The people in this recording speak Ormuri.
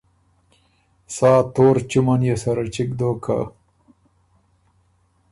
سا تور چُمه نیې سَرَه چِګ دوک